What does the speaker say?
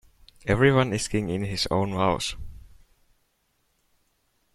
Everyone is king in his own house.